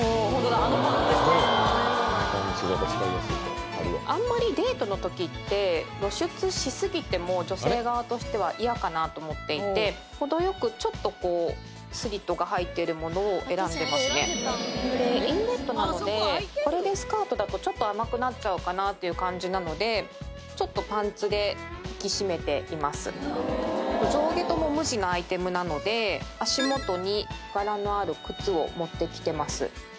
あのパンツがやっぱ使いやすいとあんまりデートの時って露出しすぎても女性側としては嫌かなと思っていて程よくちょっとこうスリットが入ってるものを選んでますねで「ＩｎＲｅｄ」なのでこれでスカートだとちょっと甘くなっちゃうかなっていう感じなのでちょっと上下とも無地のアイテムなので足元に柄のある靴を持ってきてます